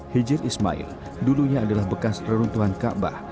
hijir ismail dulunya adalah bekas reruntuhan kaabah